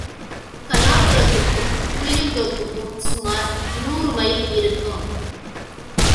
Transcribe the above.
கலாபுரத்துக்கும், புளியந்தோப்புக்கும் சுமார் நூறு மைல் இருக்கும்.